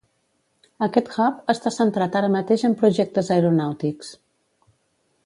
Aquest hub està centrat ara mateix en projectes aeronàutics.